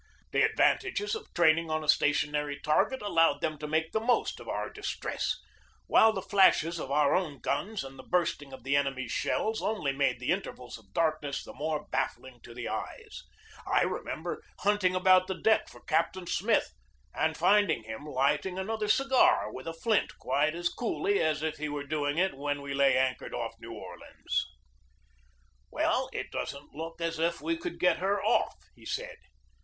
The advantages of training on a stationary target allowed them to make the most of our distress, while the flashes of our own guns and the bursting of the enemy's shells only made the intervals of darkness the more baffling to the eyes. I remember hunting about the deck for Captain Smith and finding him lighting another cigar with a flint quite as coolly as if he were doing it when we lay anchored off New Orleans. "Well, it doesn't look as if we could get her off," he said.